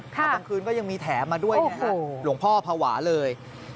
บางคืนก็ยังมีแถมมาด้วยหลวงพ่อภาวะเลย